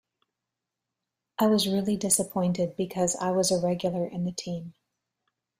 I was really disappointed because I was a regular in the team.